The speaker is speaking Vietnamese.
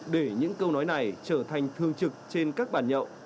để những câu nói này trở thành thương trực trên các bàn nhậu